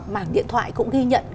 mảng điện thoại cũng ghi nhận